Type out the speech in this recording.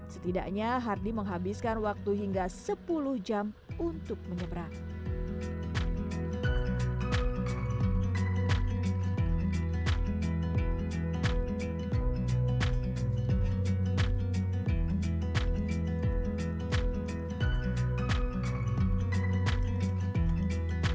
setidaknya hardy menghabiskan waktu hingga sepuluh jam untuk menyeberang